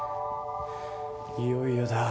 いよいよだ。